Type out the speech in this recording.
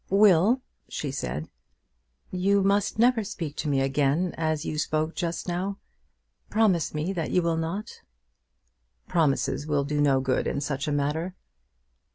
"Will," she said, "you must never speak to me again as you spoke just now. Promise me that you will not." "Promises will do no good in such a matter."